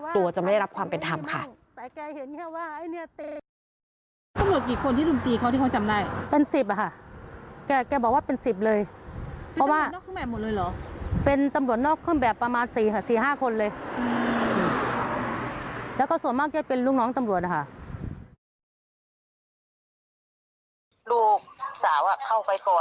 กลัวจะไม่ได้รับความเป็นธรรมค่ะ